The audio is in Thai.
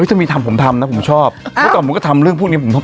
เอ้ยถ้ามีทำผมทำนะผมชอบเพราะตอนนี้ก็ทำเรื่องพวกนี้ผมทำ